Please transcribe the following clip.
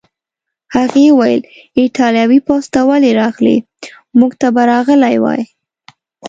هغې وویل: ایټالوي پوځ ته ولې راغلې؟ موږ ته به راغلی وای.